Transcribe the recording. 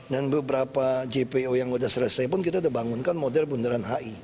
dan beberapa jpo yang sudah selesai pun kita sudah bangunkan model bundaran hi